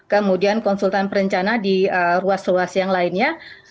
kemudian konsultan perencana di ruas ruas yang lainnya